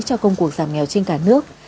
cho công cuộc giảm nghèo trên cả nước